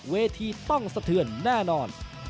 เวทีต้องสะเทือนแน่นอน